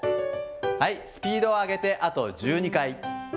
はい、スピードを上げて、あと１２回。